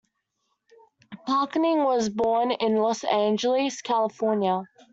Parkening was born in Los Angeles, California.